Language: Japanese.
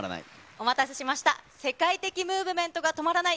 お待たせしました、世界的ムーブメントが止まらない